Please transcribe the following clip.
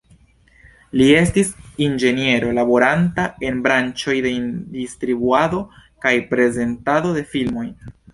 Li estis inĝeniero laboranta en branĉoj de distribuado kaj prezentado de filmoj.